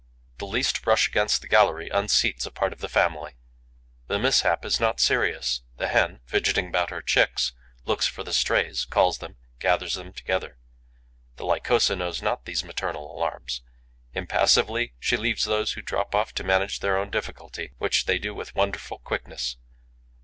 The least brush against the gallery unseats a part of the family. The mishap is not serious. The Hen, fidgeting about her Chicks, looks for the strays, calls them, gathers them together. The Lycosa knows not these maternal alarms. Impassively, she leaves those who drop off to manage their own difficulty, which they do with wonderful quickness.